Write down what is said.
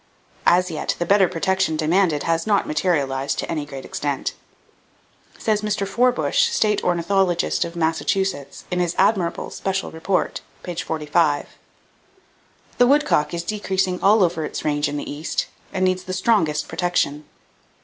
As yet, the better protection demanded has not materialized to any great extent. Says Mr. Forbush, State Ornithologist of Massachusetts, in his admirable "Special Report," p. 45: "The woodcock is decreasing all over its range in the East, and needs the strongest protection.